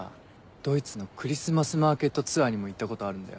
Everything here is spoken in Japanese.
ドイツのクリスマスマーケットツアーにも行ったことあるんだよ。